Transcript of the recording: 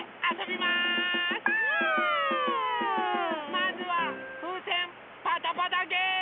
まずはふうせんパタパタゲーム！